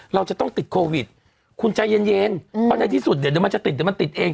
เราจะต้องติดโควิดคุณใจเย็นว่าในที่สุดเดี๋ยวมันจะติด